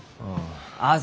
ああ。